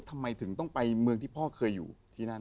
ทำไมถึงต้องไปเมืองที่พ่อเคยอยู่ที่นั่น